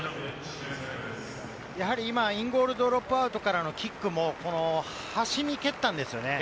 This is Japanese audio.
今、インゴールドロップアウトからのキックもこの端に行けたんですよね。